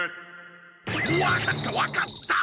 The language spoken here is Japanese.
分かった分かった！